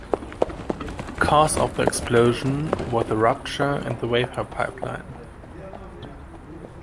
Cause of the explosion was a rupture in the vapor pipeline.